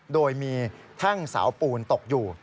โดยมีแท่งเสาปูนตกอยู่